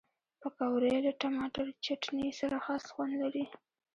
پکورې له ټماټر چټني سره خاص خوند لري